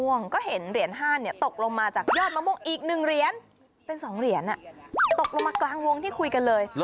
เห็นเหรียญ๕ตกลงมาจากยอดมะม่วงอีก๑เหรียญเป็น๒เหรียญตกลงมากลางวงที่คุยกันเลย